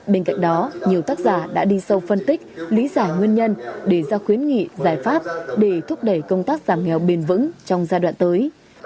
bên cạnh đó nhiều tác giả đã đi sâu phân tích lý giải nguyên nhân để ra khuyến nghị giải pháp để thúc đẩy công tác giảm nghèo bền vững trong giai đoạn tới